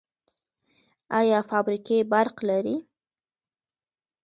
آیا فابریکې برق لري؟